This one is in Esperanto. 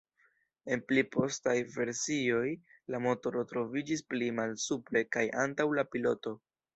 En pli postaj versioj la motoro troviĝis pli malsupre kaj antaŭ la piloto.